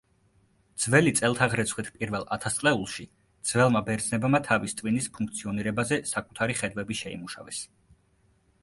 ძველი წელთაღრიცხვით პირველ ათასწლეულში ძველმა ბერძნებმა თავის ტვინის ფუნქციონირებაზე საკუთარი ხედვები შეიმუშავეს.